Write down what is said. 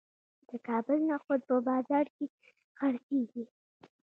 د کابل نخود په بازار کې خرڅیږي.